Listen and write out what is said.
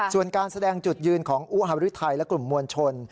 ส่วนการแสดงจุดยืนของอุฮารุทัยและกลุ่มมวลชน